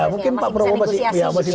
mungkin pak prabowo masih bisa negosiasi